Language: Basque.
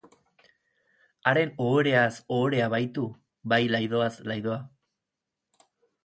Haren ohoreaz ohorea baitu, bai laidoaz laidoa.